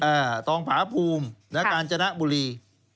อ่าทองพภูมิและกาลจนบุรี